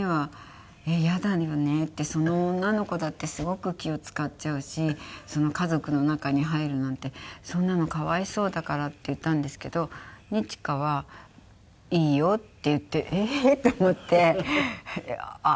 その女の子だってすごく気を使っちゃうし家族の中に入るなんてそんなのかわいそうだからって言ったんですけど二千翔は「いいよ」って言って「ええー」と思って。